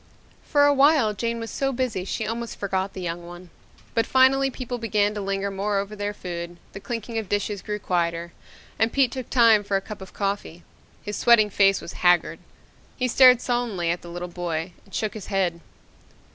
For a while Jane was so busy she almost forgot the young one. But finally people began to linger more over their food, the clinking of dishes grew quieter and Pete took time for a cup of coffee. His sweating face was haggard. He stared sullenly at the little boy and shook his head.